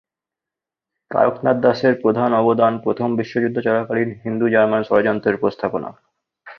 তারকনাথ দাসের প্রধান অবদান প্রথম বিশ্বযুদ্ধ চলাকালীন হিন্দু-জার্মান ষড়যন্ত্রের প্রস্থাপনা।